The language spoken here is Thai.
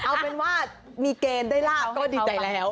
เอาเป็นว่ามีเกณฑ์ได้ลาบก็ดีใจแล้ว